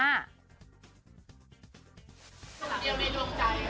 หนุ่มเดียวในดวงใจ